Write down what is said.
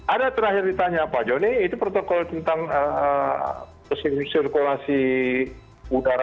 ada terakhir ditanya pak joni itu protokol tentang sirkulasi udara